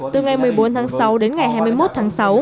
từ ngày một mươi bốn tháng sáu đến ngày hai mươi một tháng sáu